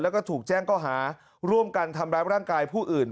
แล้วก็ถูกแจ้งก็หาร่วมกันทำร้ายร่างกายผู้อื่น